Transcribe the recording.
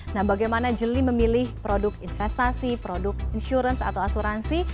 nah bagaimana jeli memilih produk investasi produk insurance atau asuransi